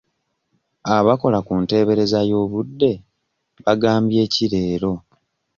Abakola ku nteebereza y'obudde bagambye ki leero?